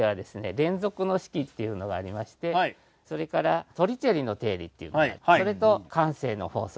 連続の式っていうのがありましてそれからトリチェリの定理っていうのがありそれと慣性の法則。